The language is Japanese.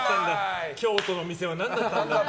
京都の店は何だったんだ。